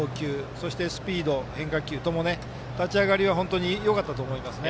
そしてスピード、変化球とも立ち上がりが本当によかったと思います。